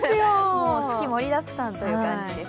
月盛りだくさんという感じです。